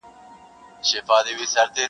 د ځوانۍ عمر چي تېر سي بیا په بیرته نه راځینه-